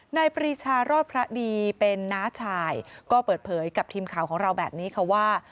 ปรีชารอดพระดีเป็นน้าชายก็เปิดเผยกับทีมข่าวของเราแบบนี้ค่ะว่า